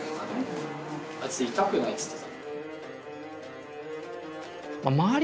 あいつ痛くないっつってた。